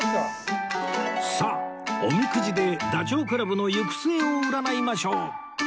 さあおみくじでダチョウ倶楽部の行く末を占いましょう